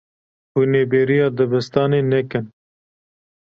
Hûn ê bêriya dibistanê nekin.